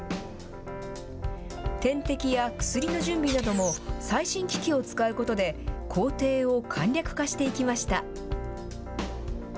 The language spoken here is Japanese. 点滴や薬の準備なども、最新機器を使うことで、工程を簡略化していきました。